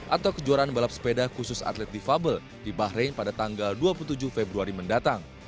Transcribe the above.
atau kejuaraan balap sepeda khusus atlet difabel di bahrain pada tanggal dua puluh tujuh februari mendatang